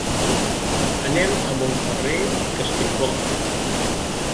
Anem a Montferrer i Castellbò.